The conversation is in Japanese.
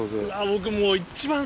僕もう。